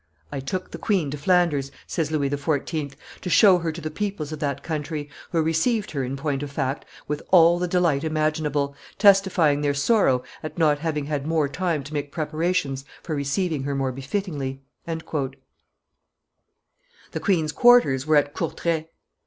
"I took the queen to Flanders," says Louis XIV., "to show her to the peoples of that country, who received her, in point of fact, with all the delight imaginable, testifying their sorrow at not having had more time to make preparations for receiving her more befittingly." The queen's quarters were at Courtrai.